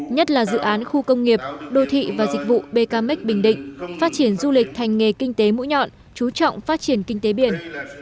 nhất là dự án khu công nghiệp đô thị và dịch vụ bkm bình định phát triển du lịch thành nghề kinh tế mũi nhọn chú trọng phát triển kinh tế biển